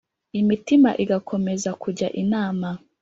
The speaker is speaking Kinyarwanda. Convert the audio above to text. imitima igakomeza kujya inama;